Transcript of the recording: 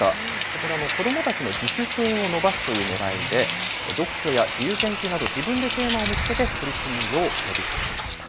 これは子どもたちの自主性を伸ばすというねらいで読書や自由研究など自分でテーマを見つけて取り組むよう呼びかけました。